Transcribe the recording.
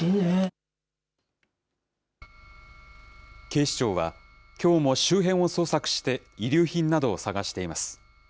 警視庁は、きょうも周辺を捜索して、遺留品などを捜しています。